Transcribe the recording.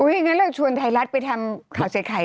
อุ๊ยอย่างนั้นเราชวนไทยรัฐไปทำข่าวเช็ดไข่